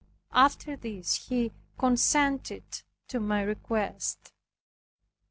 After this he consented to my request.